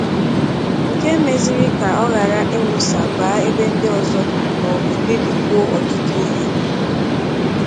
nke mezịrị ka ọ ghara inwusà bàá n'ebe ndị ọzọ maọbụ bibikwuo ọtụtụ ihe.